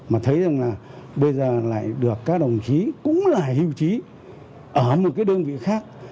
mà thấy rằng là bây giờ lại được các đồng chí cũng là hưu trí ở một cái đơn vị khác